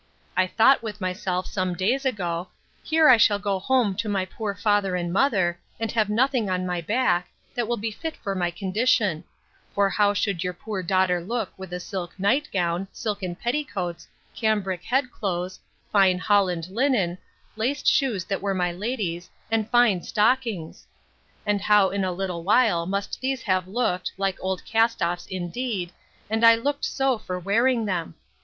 I thought with myself some days ago, Here I shall go home to my poor father and mother, and have nothing on my back, that will be fit for my condition; for how should your poor daughter look with a silk night gown, silken petticoats, cambric head clothes, fine holland linen, laced shoes that were my lady's; and fine stockings! And how in a little while must these have looked, like old cast offs, indeed, and I looked so for wearing them!